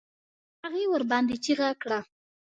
هغې ورباندې چيغه کړه.